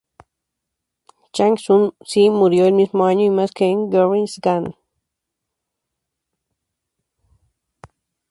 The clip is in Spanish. Changchun zi murió el mismo año y mes que Gengis Kan.